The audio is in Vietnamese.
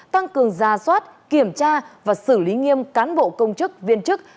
tăng cường ra soát kiểm tra và xử lý nghiêm cán bộ công chức viên chức